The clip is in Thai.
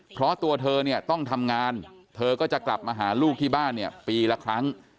เพราะตัวเธอเนี่ยต้องทำงานเธอก็จะกลับมาหาลูกที่บ้านเนี่ยปีละครั้ง